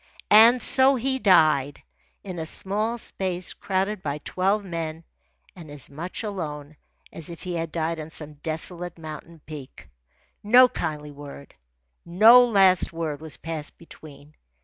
And so he died, in a small space crowded by twelve men and as much alone as if he had died on some desolate mountain peak. No kindly word, no last word, was passed between.